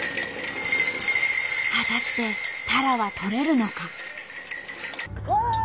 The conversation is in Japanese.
果たしてタラはとれるのか。